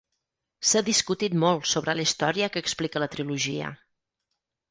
S'ha discutit molt sobre la història que explica la Trilogia.